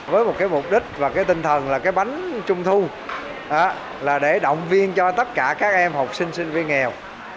với một mục đích và tinh thần là bánh trung thu để động viên cho tất cả các em học sinh sinh viên nghèo